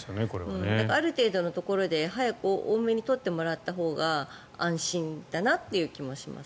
ある程度のところで早く多めに取ってもらったほうが安心だなという気もします。